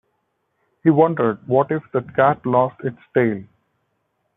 He wondered, what if that cat lost its tail?